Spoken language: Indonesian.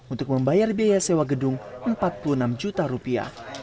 untuk membayar biaya sewa gedung empat puluh enam juta rupiah